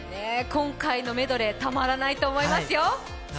今回のメドレー、たまらないと思いますよ。